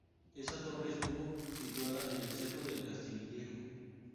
Esta torre estuvo situada en el Cerro del Castillejo.